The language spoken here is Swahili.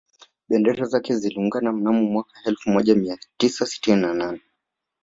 Bendera zake ziliungana mnamo mwaka elfu moja mia tisa sitini na nne